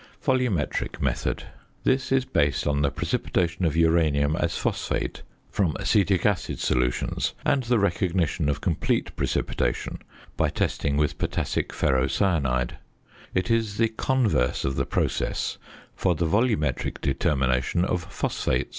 VOLUMETRIC METHOD. This is based on the precipitation of uranium as phosphate from acetic acid solutions and the recognition of complete precipitation by testing with potassic ferrocyanide; it is the converse of the process for the volumetric determination of phosphate.